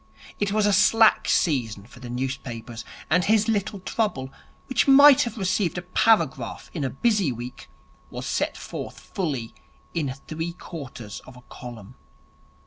It was a slack season for the newspapers, and his little trouble, which might have received a paragraph in a busy week, was set forth fully in three quarters of a column.